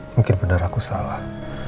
mungkin benar aku salah